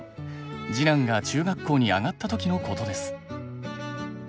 次男が中学校に上がった時のことです。